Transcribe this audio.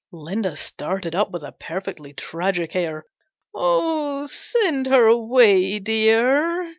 " Linda started up with a perfectly tragic air. " Oh, send her away, dear!"